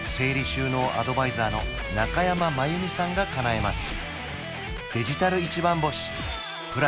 収納アドバイザーの中山真由美さんがかなえます